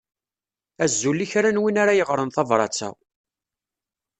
Azul i kra n win ara yeɣren tabrat-a.